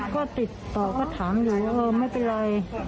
ก็ติดต่อก็ถามอยู่ไม่เป็นไร